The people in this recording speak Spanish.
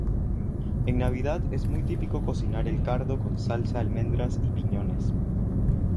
En Navidad es muy típico cocinar el cardo con salsa de almendras y piñones.